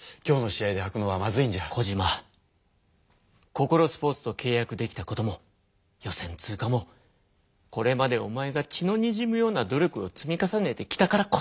ココロスポーツとけい約できたことも予選通過もこれまでおまえが血のにじむような努力を積み重ねてきたからこそだ。